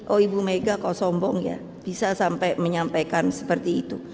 oh ibu mega kau sombong ya bisa sampai menyampaikan seperti itu